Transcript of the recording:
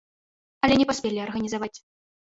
Але не паспелі арганізаваць.